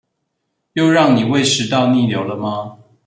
又讓你胃食道逆流了嗎？